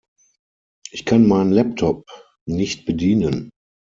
Ich kann meinen Laptop nicht bedienen.